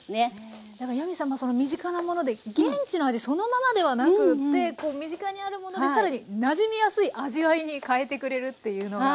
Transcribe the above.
なんかヤミーさんのその身近なもので現地の味そのままではなくってこう身近にあるもので更になじみやすい味わいに変えてくれるっていうのが。